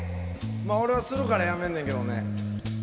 まっ俺はするからやめんねんけどね。